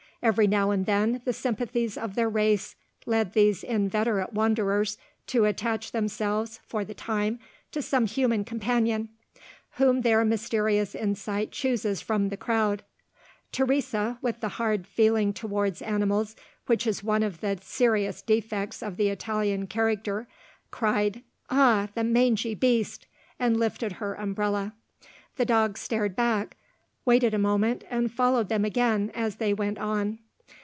Every now and then, the sympathies of their race lead these inveterate wanderers to attach themselves, for the time, to some human companion, whom their mysterious insight chooses from the crowd. Teresa, with the hard feeling towards animals which is one of the serious defects of the Italian character, cried, "Ah, the mangy beast!" and lifted her umbrella. The dog starred back, waited a moment, and followed them again as they went on.